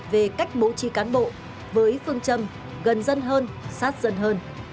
về cách bố trí cán bộ với phương châm gần dân hơn sát dân hơn